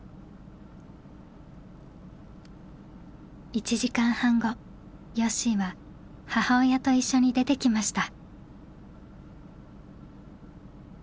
１時間半後よっしーは母親と一緒に出てきました。